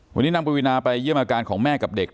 วันนี้นางปวีนาไปเยี่ยมอาการของแม่กับเด็ก